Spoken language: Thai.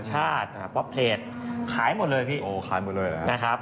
ไม่เยอะนะ